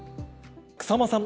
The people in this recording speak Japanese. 草間さん